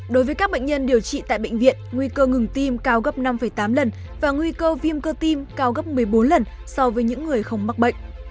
đối với các bệnh nhân điều trị tại bệnh viện nguy cơ ngừng tim cao gấp năm tám lần và nguy cơ viêm cơ tim cao gấp một mươi bốn lần so với những người không mắc bệnh